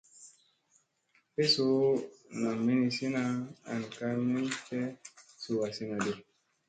Tle suu nam minisina an ka min tle suu asinadi.